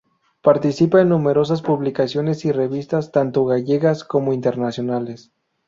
Participa en numerosas publicaciones y revistas, tanto gallegas como internacionales.